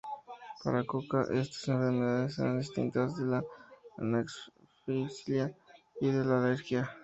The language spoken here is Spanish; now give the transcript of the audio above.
Para Coca, estas enfermedades eran distintas de la anafilaxia y de la alergia.